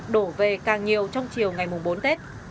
đổ về càng nhiều trong chiều ngày bốn tết